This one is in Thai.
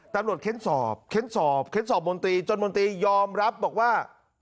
เค้นสอบเค้นสอบเค้นสอบมนตรีจนมนตรียอมรับบอกว่า